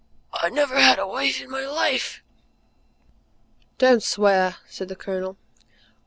I never had a wife in my life!" "Don't swear," said the Colonel.